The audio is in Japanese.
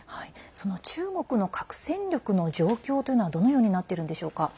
その中国の核戦力の状況というのはどのようになってるんでしょうか。